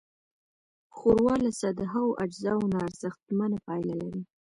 ښوروا له سادهو اجزاوو نه ارزښتمنه پايله لري.